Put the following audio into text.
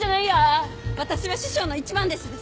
私は師匠の一番弟子です。